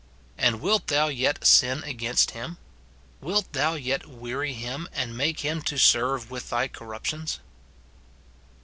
And wilt thou yet sin against him ? wilt thou yet weary him, and make him to serve with thy corruptions